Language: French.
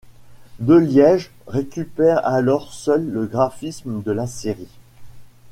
Deliège récupère alors seul le graphisme de la série.